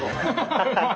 ハハハハ！